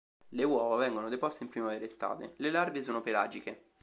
Le uova vengono deposte in primavera-estate, le larve sono pelagiche.